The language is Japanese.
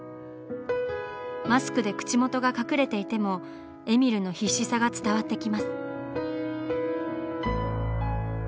マスクで口元が隠れていてもえみるの必死さが伝わってきます。